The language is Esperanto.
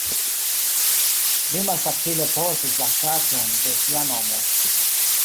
Li malfacile portis la ŝarĝon de sia nomo.